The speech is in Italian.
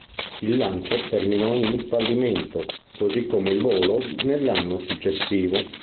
Il lancio terminò in fallimento, così come il volo nell'anno successivo.